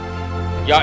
yaitu tombah tulung agung